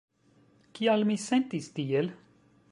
Kial mi sentis tiel?